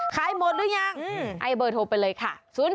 ขายหมดหรือยังให้เบอร์โทรไปเลยค่ะ